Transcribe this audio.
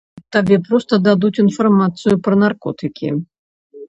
Табе проста дадуць інфармацыю пра наркотыкі.